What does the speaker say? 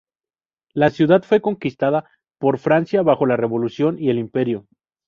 La ciudad fue conquistada por Francia bajo la Revolución y el Imperio.